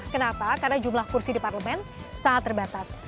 kenapa karena jumlah kursi di parlemen sangat terbatas